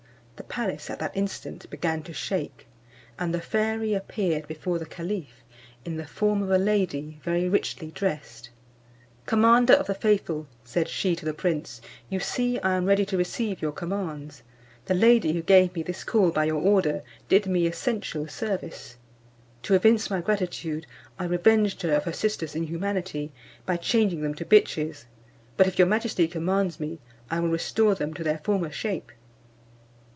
The palace at that instant began to shake, and the fairy appeared before the caliph in the form of a lady very richly dressed. "Commander of the faithful," said she to the prince, "you see I am ready to receive your commands. The lady who gave me this call by your order did me essential service. To evince my gratitude, I revenged her of her sisters' inhumanity, by changing them to bitches; but if your majesty commands me, I will restore them to their former shape."